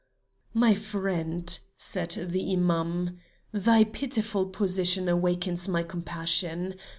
"My friend," said the Imam, "thy pitiful position awakens my compassion.